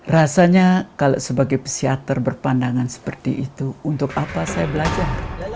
rasanya kalau sebagai psiater berpandangan seperti itu untuk apa saya belajar